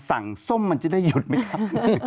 ส้มมันจะได้หยุดไหมครับ